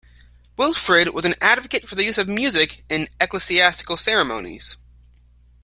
Wilfrid was an advocate for the use of music in ecclesiastical ceremonies.